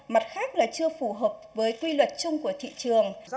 mặt khác là chưa phù hợp với tuy luật chung của dịch vụ